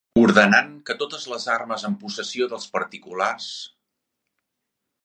Ordenant que totes les armes en possessió dels particulars...